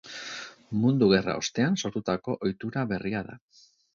Mundu Gerra ostean sortutako ohitura berria da.